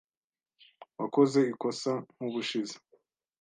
Wakoze ikosa nkubushize.